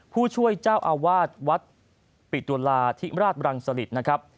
ผู้ช่วยเจ้าอาวาสวัดปิตุลาธิราชบรังสลิตนะครับ